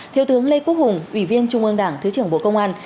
thiếu tướng lê quốc hùng ủy viên trung ương đảng thứ trưởng bộ công an